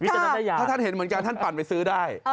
ถ้าท่านเห็นเหมือนกันท่านปั่นไปซื้อได้